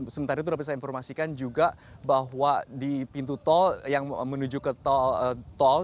sementara itu dapat saya informasikan juga bahwa di pintu tol yang menuju ke tol